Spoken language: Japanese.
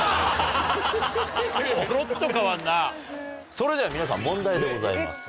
それでは皆さん問題でございます。